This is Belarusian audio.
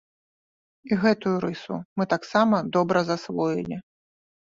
І гэтую рысу мы таксама добра засвоілі.